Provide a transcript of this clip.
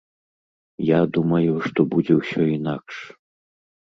Я думаю, што будзе ўсё інакш.